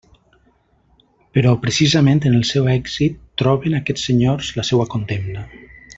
Però precisament en el seu èxit troben aquests senyors la seua condemna.